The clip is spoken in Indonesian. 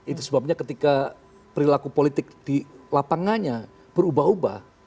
itu sebabnya ketika perilaku politik di lapangannya berubah ubah